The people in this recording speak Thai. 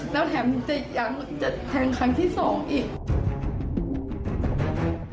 แล้วแถมหนูจะยังจะแทงครั้งที่สองอีก